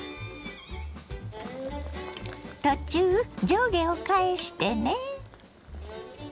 途中上下を返してね。